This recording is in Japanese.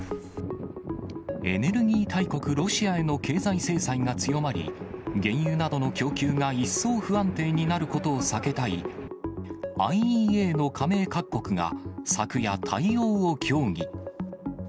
エネルギー大国、ロシアへの経済制裁が強まり、原油などの供給が一層不安定になることを避けたい、ＩＥＡの加盟各国が、昨夜、対応を協議。